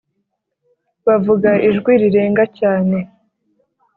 Bavuga ijwi rirenga cyane